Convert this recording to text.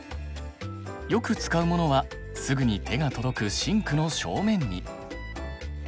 よく使うものはすぐに手が届くシンクの正面に。